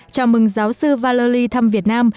chào mừng giáo sư valery thăm việt nam